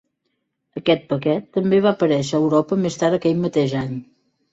Aquest paquet també va aparèixer a Europa més tard aquell mateix any.